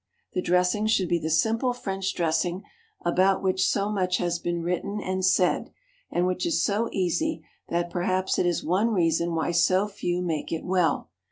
The dressing should be the simple French dressing, about which so much has been written and said, and which is so easy that perhaps it is one reason why so few make it well.